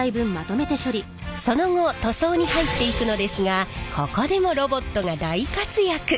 その後塗装に入っていくのですがここでもロボットが大活躍！